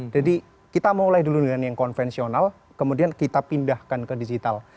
jadi kita mulai dulu dengan yang konvensional kemudian kita pindahkan ke digital